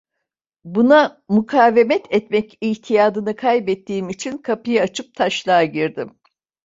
Buna mukavemet etmek itiyadını kaybettiğim için kapıyı açıp taşlığa girdim.